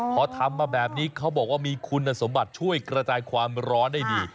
พอทำมาแบบนี้เขาบอกว่ามีคุณสมบัติช่วยกระจายความร้อนได้ดี